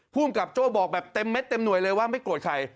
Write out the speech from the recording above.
ภูมิกับโจ้บอกแบบเต็มเม็ดเต็มหน่วยเลยว่าไม่โกรธใคร